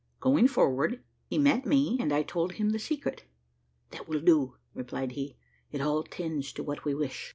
Going forward, he met me, and I told him the secret. "That will do," replied he; "it all tends to what we wish."